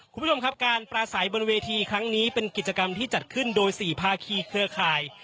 คุณผู้ชมครับการปราศัยบนเวทีครั้งนี้เป็นกิจกรรมที่จัดขึ้นโดย๔ภาคีเครือข่าย